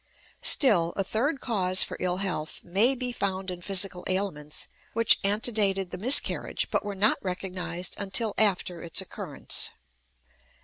Still a third cause for ill health may be found in physical ailments which antedated the miscarriage but were not recognized until after its occurrence.